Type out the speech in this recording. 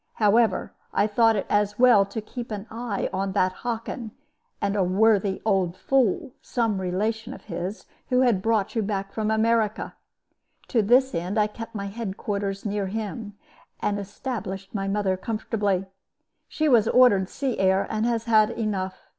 However, I thought it as well to keep an eye upon that Hockin, and a worthy old fool, some relation of his, who had brought you back from America. To this end I kept my head quarters near him, and established my mother comfortably. She was ordered sea air, and has had enough.